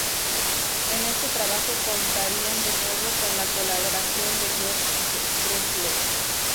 En este trabajo contarían de nuevo con la colaboración de Jorge Drexler.